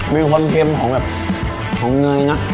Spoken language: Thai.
มีความเค็มของเนยนะ